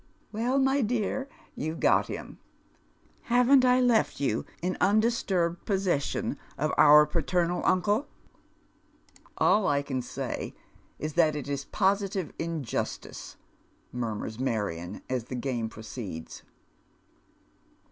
" Well, my dear, you've got him. Haven't I left you in on disturbed possession of oBr paternal uncle ?"" All I can say is that it is positive injustice," murmm s Marion, as the game proceeds.